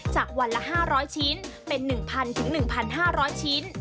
จากวันละ๕๐๐ชิ้นเป็น๑๐๐๑๕๐๐ชิ้น